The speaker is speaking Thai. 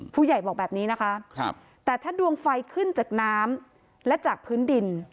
ผู้ใหญ่บอกแบบนี้นะคะแต่ถ้าดวงไฟขึ้นจากน้ำและจากพื้นดิน